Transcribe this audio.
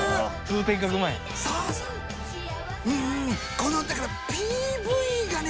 このだからＰＶがね